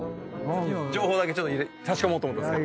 情報だけ差し込もうと思ったんですけど。